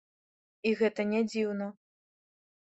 І гэта не дзіўна.